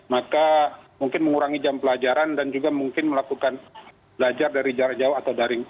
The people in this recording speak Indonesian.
maka mungkin mengurangi jam pelajaran dan juga mungkin melakukan belajar dari jarak jauh atau daring